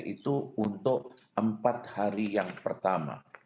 itu untuk empat hari yang pertama